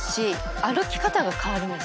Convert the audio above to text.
歩き方が変わるんです。